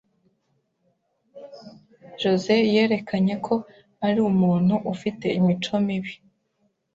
Jos é yerekanye ko ari umuntu ufite imico mibi.